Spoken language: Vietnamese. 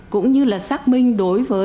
cũng như là xác minh đối với tập đoàn